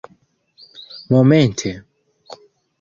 momente